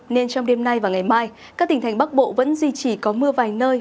nên trong đêm nay và ngày mai các tỉnh thành bắc bộ vẫn duy trì có mưa vài nơi